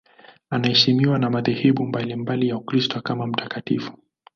Anaheshimiwa na madhehebu mbalimbali ya Ukristo kama mtakatifu.